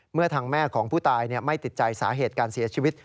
เมื่อทางแม่ของผู้ตายไม่ติดใจสาเหตุการเสียชีวิต